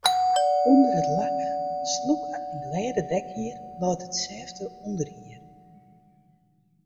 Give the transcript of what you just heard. Under it lange, slûke en glêde dekhier leit it sêfte ûnderhier.